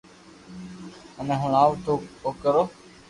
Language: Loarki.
مني ھڻاوي تو او ڪرو